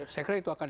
saya kira itu akan